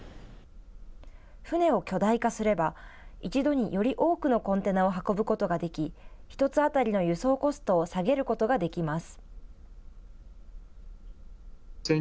船を巨大化すれば一度により多くのコンテナを運ぶことができ１つ当たりの輸送コストを下げることができます。